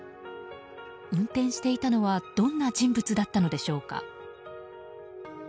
運転していたのはどんな人物だったのでしょうか。